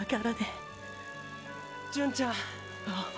純ちゃん！！